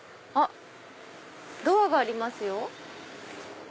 ドアがありますよ。